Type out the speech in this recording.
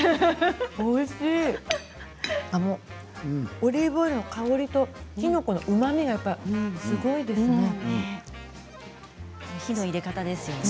オリーブオイルの香りときのこのうまみがすごいですね。